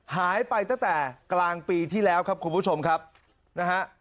หายไปตั้งแต่กลางปีที่แล้วครับคุณผู้ชมครับนะฮะ